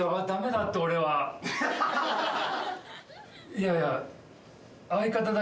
いやいや。